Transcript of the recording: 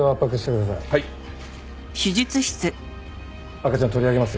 赤ちゃん取り上げますよ。